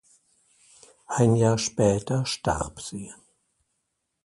Ein Jahr später starb sie.